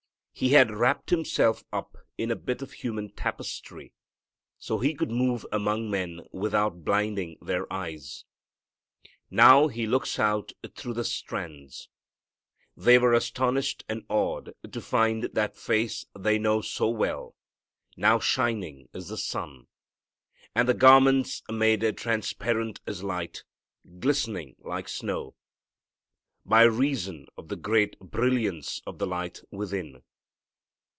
He had wrapped Himself up in a bit of human tapestry so He could move among men without blinding their eyes. Now He looks out through the strands. They are astonished and awed to find that face they know so well now shining as the sun, and the garments made transparent as light, glistening like snow, by reason of the great brilliance of the light within.